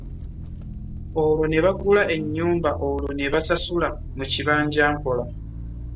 Olwo ne bagula ennyumba olwo ne basasula mu kibanja mpola